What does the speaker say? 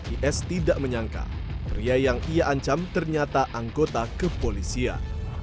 is tidak menyangka pria yang ia ancam ternyata anggota kepolisian